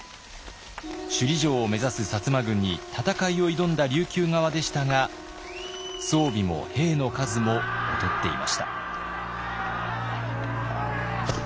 首里城を目指す摩軍に戦いを挑んだ琉球側でしたが装備も兵の数も劣っていました。